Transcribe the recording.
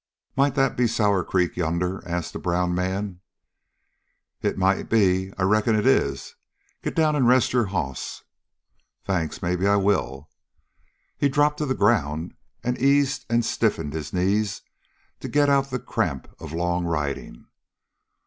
"Might that be Sour Creek yonder?" asked the brown man. "It might be. I reckon it is. Get down and rest your hoss." "Thanks. Maybe I will." He dropped to the ground and eased and stiffened his knees to get out the cramp of long riding.